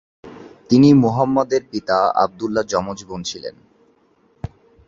তিনি মুহাম্মদের পিতা আবদুল্লাহর জমজ বোন ছিলেন।